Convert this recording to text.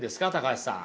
橋さん。